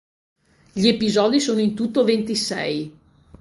Gli episodi sono in tutto ventisei.